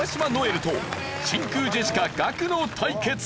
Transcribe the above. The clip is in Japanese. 留と真空ジェシカガクの対決！